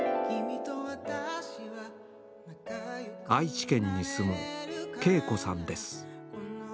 愛知県に住むケーコさんです。